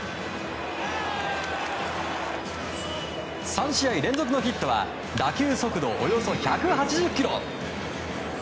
３試合連続のヒットは打球速度およそ１８０キロ。